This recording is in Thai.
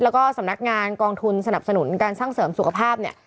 แล้วก็สำนักงานกองทุนสนับสนุนการสร้างเสริมสุขภาพเนี่ย